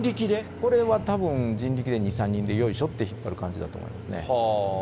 これはたぶん、人力で２、３人でよいしょって引っ張る感じだと思いますね。